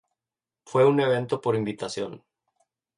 Fue un evento por invitación.